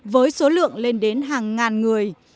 với số lượng lên đến hàng ngàn người